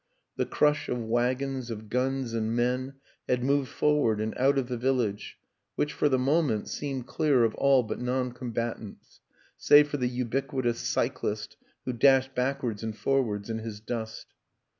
The crush of wagons, of guns and men, had moved forward and out of the vil lage, which, for the moment, seemed clear of all but noncombatants save for the ubiquitous cyclist who dashed backwards and forwards in his dust.